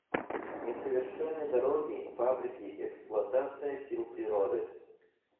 Несовершенны дороги, фабрики, эксплуатация сил природы.